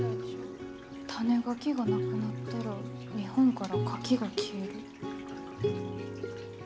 種ガキがなくなったら日本から、カキが消える。